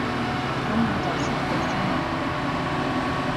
噉我就失陪先